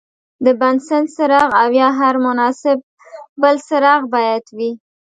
د بنسن څراغ او یا هر مناسب بل څراغ باید وي.